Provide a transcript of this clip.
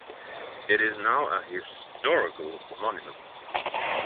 It is now a historical monument.